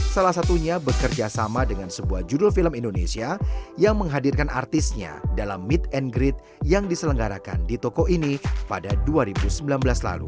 salah satunya bekerja sama dengan sebuah judul film indonesia yang menghadirkan artisnya dalam meet and greet yang diselenggarakan di toko ini pada dua ribu sembilan belas lalu